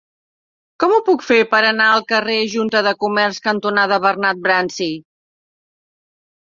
Com ho puc fer per anar al carrer Junta de Comerç cantonada Bernat Bransi?